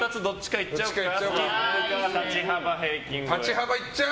いっちゃおうか。